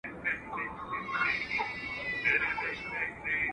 ايا اګوست کنت ټولنپوهنه جامع علم ګاڼه؟